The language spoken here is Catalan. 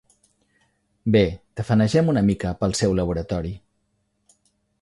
Bé, tafanegem una mica pel seu laboratori.